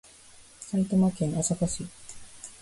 埼玉県朝霞市